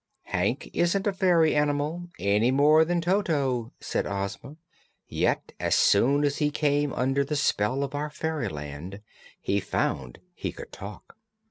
"Hank isn't a fairy animal, any more than Toto," said Ozma, "yet as soon as he came under the spell of our fairyland he found he could talk.